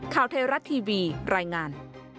ข่าวไทยรัฐทีวีรายงาน